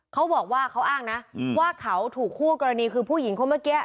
เขาบอกว่าเขาอ้างนะว่าเขาถูกคู่กรณีคือผู้หญิงคนเมื่อกี้